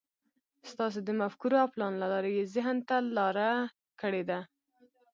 ستاسې د مفکورو او پلان له لارې يې ذهن ته لاره کړې ده.